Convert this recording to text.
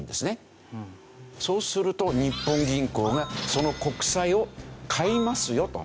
そうすると日本銀行がその国債を買いますよと。